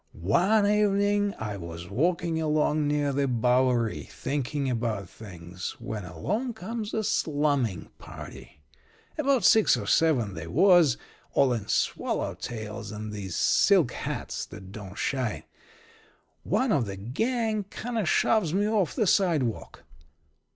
"One evening I was walking along near the Bowery, thinking about things, when along comes a slumming party. About six or seven they was, all in swallowtails, and these silk hats that don't shine. One of the gang kind of shoves me off the sidewalk.